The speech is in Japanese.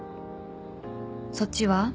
「そっちは？